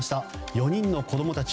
４人の子供たち。